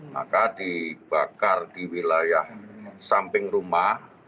maka dibakar di wilayah samping rumah